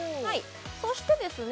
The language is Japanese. そしてですね